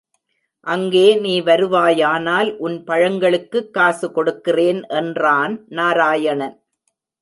அங்கே நீ வருவாயானால், உன் பழங்களுக்குக் காசு கொடுக்கிறேன் என்றான் நாராயணன்.